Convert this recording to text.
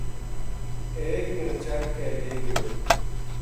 ایک نا چک کے لے گیو